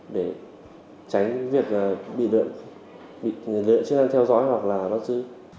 để tránh việc bị lượn chức năng theo dõi hoặc là bắt giữ